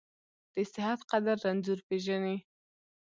د صحت قدر رنځور پېژني .